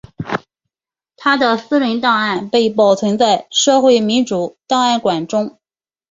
他的私人档案被保存在社会民主档案馆中。